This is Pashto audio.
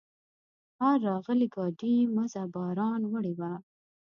آر راغلي ګاډي مزه باران وړې وه.